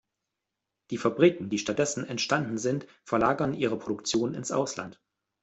Die Fabriken, die stattdessen entstanden sind, verlagern ihre Produktion ins Ausland.